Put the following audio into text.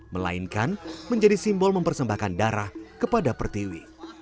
melainkan menjadi simbol mempersembahkan darah kepada pertiwi